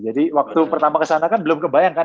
jadi waktu pertama kesana kan belum kebayang kan